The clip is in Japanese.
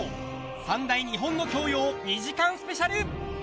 三大日本の教養２時間スペシャル。